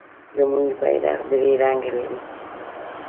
زمونږ بیرغ درې رنګه لري.